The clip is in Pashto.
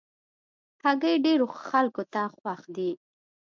هګۍ ډېرو خلکو ته خوښ دي.